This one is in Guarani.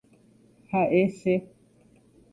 Ha'e che.